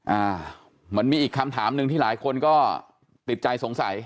อ่ามันมีอีกคำถามหนึ่งที่หลายคนก็ติดใจสงสัย